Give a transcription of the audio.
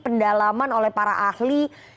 pendalaman oleh para ahli